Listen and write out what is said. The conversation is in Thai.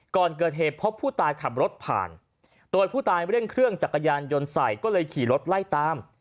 ก่อนเกิดเหตุพบผู้ตายขับรถผ่านตัวผู้ตายเร่งเครื่องจักรยานยนต์ใส่ก็เลยขี่รถไล่ตาม